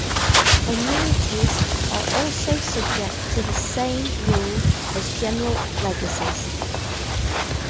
Annuities are also subject to the same rule as general legacies.